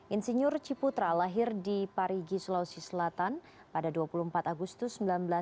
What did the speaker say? insinyur ciputra lahir di parigi sulawesi selatan pada dua puluh empat agustus seribu sembilan ratus enam puluh